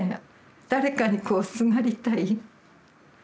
誰かにこうすがりたい。